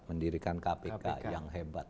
mendirikan kpk yang hebat